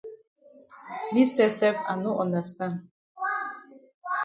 Me sef sef I no understand.